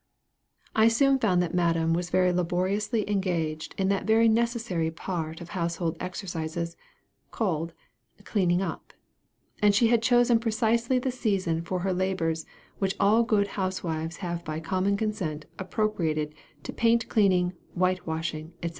I soon found that madam was very laboriously engaged in that very necessary part of household exercises, called, CLEANING UP; and she had chosen precisely the season for her labors which all good housewives have by common consent appropriated to paint cleaning, white washing, &c.